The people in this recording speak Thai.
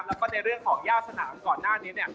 แล้วก็ในเรื่องของย่าสนามก่อนหน้านี้